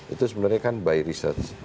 itu sebenarnya kan by research